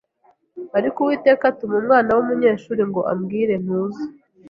ariko Uwiteka atuma umwana w’umunyeshuri ngo ambwire ntuze